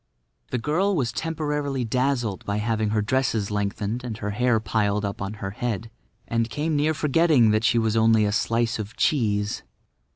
The girl was temporarily dazzled by having her dresses lengthened and her hair piled up on her head, and came near forgetting that she was only a slice of cheese.